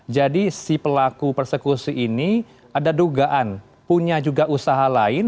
jadi si pelaku persekusi ini ada dugaan punya juga usaha lain